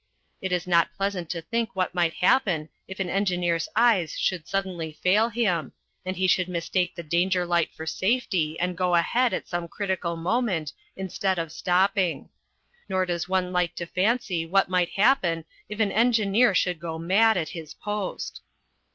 It is not pleasant to think what might happen if an engineer's eyes should suddenly fail him, and he should mistake the danger light for safety and go ahead at some critical moment instead of stopping. Nor does one like to fancy what might happen if an engineer should go mad at his post.